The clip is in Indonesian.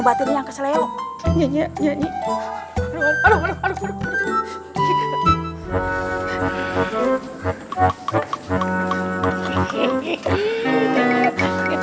ya tingkernya rehat